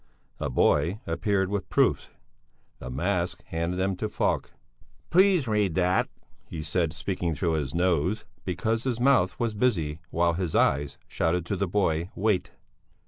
A boy appeared with proofs. The mask handed them to Falk. "Please read that," he said, speaking through his nose, because his mouth was busy, while his eyes shouted to the boy: Wait!